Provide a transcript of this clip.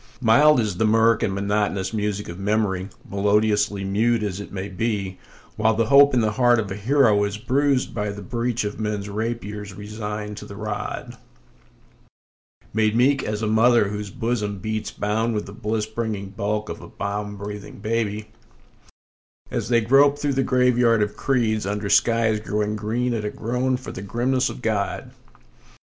Mild is the mirk and monotonous music of memory, melodiously mute as it may be, While the hope in the heart of a hero is bruised by the breach of men's rapiers, resigned to the rod; Made meek as a mother whose bosom beats bound with the bliss bringing bulk of a balm breathing baby, As they grope through the graveyard of creeds, under skies growing green at a groan for the grimness of God.